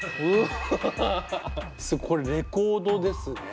これレコードですね。